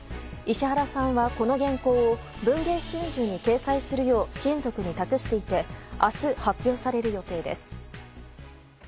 石原さんは、この原稿を文藝春秋に掲載するよう親族に託していて明日、発表される予定です。